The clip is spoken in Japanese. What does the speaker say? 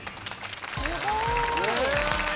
すごい！